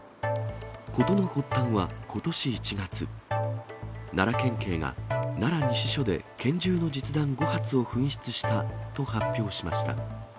事の発端は、ことし１月、奈良県警が奈良西署で、拳銃の実弾５発を紛失したと発表しました。